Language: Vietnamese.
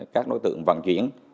các đối tượng vận chuyển